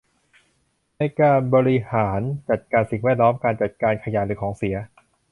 ในการบริหารจัดการสิ่งแวดล้อมการจัดการขยะหรือของเสีย